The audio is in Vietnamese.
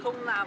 chỉ có mà ăn